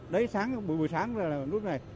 đấy sáng buổi sáng là nút này